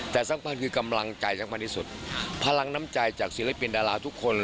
แต่สำคัญคือกำลังใจสำคัญที่สุดพลังน้ำใจจากศิลปินดาราทุกคน